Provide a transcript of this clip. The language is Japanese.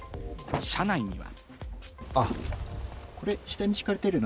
車内には。